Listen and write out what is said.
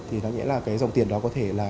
thì có nghĩa là cái dòng tiền đó có thể là